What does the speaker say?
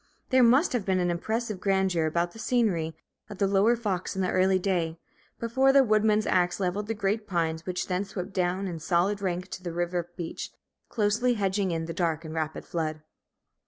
There must have been an impressive grandeur about the scenery of the Lower Fox in the early day, before the woodman's axe leveled the great pines which then swept down in solid rank to the river beach, closely hedging in the dark and rapid flood.